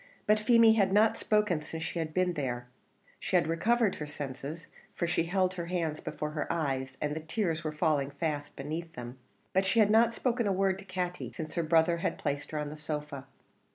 But Feemy had not spoken since she had been there; she had recovered her senses, for she held her hands before her eyes, and the tears were falling fast beneath them: but she had not spoken a word to Katty since her brother had placed her on the sofa.